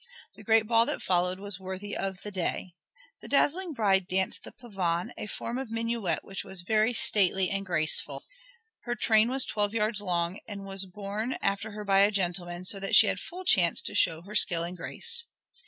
The great ball that followed was worthy of the day. The dazzling bride danced the pavon, a form of minuet which was very stately and graceful. Her train was twelve yards long and was borne after her by a gentleman, so that she had full chance to show her skill and grace.